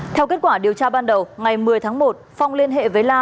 theo kết quả điều tra ban đầu ngày một mươi tháng một phong liên hệ với la